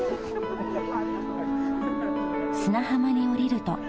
［砂浜におりると］